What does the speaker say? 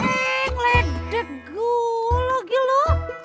engg ledek gua lagi lu